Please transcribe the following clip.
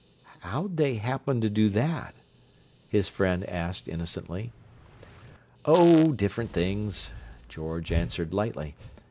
"How'd they happen to do that?" his friend asked innocently. "Oh, different things," George answered lightly.